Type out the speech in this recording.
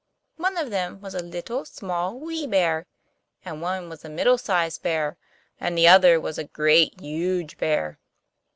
One of them was a Little, Small, Wee Bear; and one was a Middle sized Bear, and the other was a Great, Huge Bear.